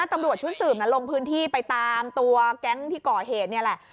ตำรวจชุดสืบลงพื้นที่ไปตามตัวแก๊งที่ก่อเหตุนี่แหละ